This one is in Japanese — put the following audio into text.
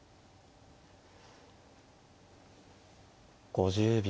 ５０秒。